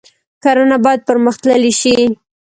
کرنه باید پرمختللې شي